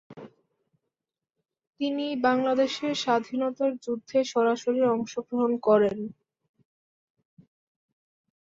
তিনি বাংলাদেশের স্বাধীনতার যুদ্ধ সরাসরি অংশগ্রহণ করেন।